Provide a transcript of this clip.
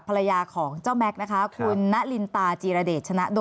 สวัสดีครับ